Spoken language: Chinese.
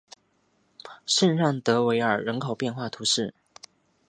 圣让德韦尔日人口变化图示